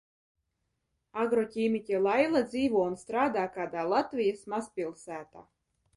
Agroķīmiķe Laila dzīvo un strādā kādā Latvijas mazpilsētā.